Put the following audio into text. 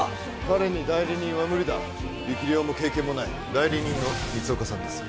彼に代理人は無理だ力量も経験もない代理人の光岡さんです